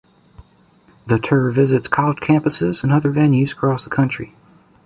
The tour visits college campuses and other venues across the country.